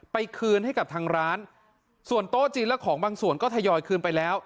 ไปคืนให้กับทางร้านส่วนโต๊ะจีนและของบางส่วนก็ทยอยคืนไปแล้ว